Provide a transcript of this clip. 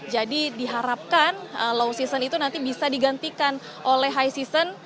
jadi diharapkan low season itu nanti bisa digantikan oleh high season